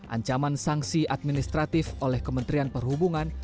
ancaman sanksi administratif oleh kementerian perhubungan